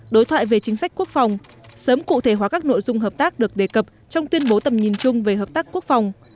đối thoại về chính sách quốc phòng sớm cụ thể hóa các nội dung hợp tác được đề cập trong tuyên bố tầm nhìn chung về hợp tác quốc phòng